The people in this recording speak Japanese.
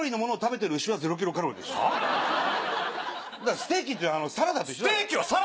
ステーキってサラダと一緒だから。